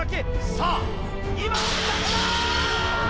さあ今落ちてきた！